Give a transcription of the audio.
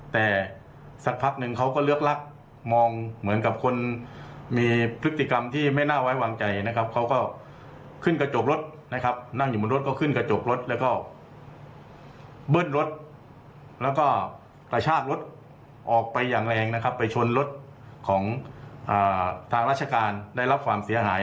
แต่สักพักนึงเขาก็เลือกลักมองเหมือนกับคนมีพฤติกรรมที่ไม่น่าไว้วางใจนะครับเขาก็ขึ้นกระจกรถนะครับนั่งอยู่บนรถก็ขึ้นกระจกรถแล้วก็เบิ้ลรถแล้วก็กระชากรถออกไปอย่างแรงนะครับไปชนรถของทางราชการได้รับความเสียหาย